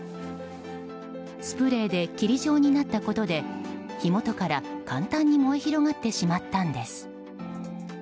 スプレーで霧状になったことで火元から簡単に燃え広がってしまったんです。